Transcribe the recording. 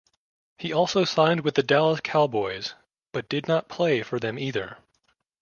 He also signed with the Dallas Cowboys but did not play for them either.